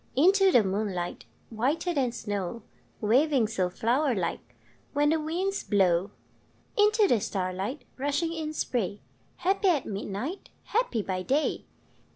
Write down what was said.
Into the moonlight, Whiter than snow, Waving so flower like When the winds blow! Into the starlight, Rushing in spray, Happy at midnight, Happy by day!